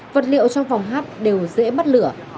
vật liệu trong phòng hát đều dễ mất lửa